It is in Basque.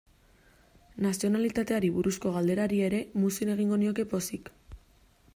Nazionalitateari buruzko galderari ere muzin egingo nioke pozik.